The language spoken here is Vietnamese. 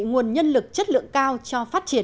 nguồn nhân lực chất lượng cao cho phát triển